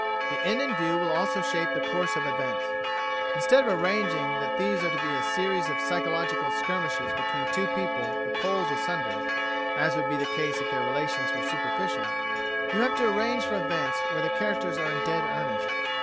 The end in view will also shape the course of events. Instead of arranging that these are to be a series of psychological skirmishes between two people the poles asunder (as would be the case if their relations were superficial), you have to arrange for events where the characters are in dead earnest.